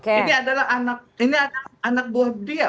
ini adalah anak buah dia